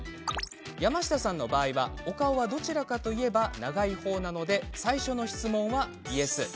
山下さんの場合はお顔はどちらかといえば長い方なので、最初の質問はイエス。